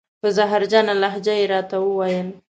په زهرجنه لهجه یې را ته و ویل: